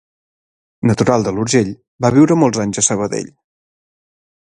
Natural de l'Urgell, va viure molts anys a Sabadell.